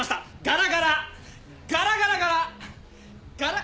ガラガラガラガラガラ。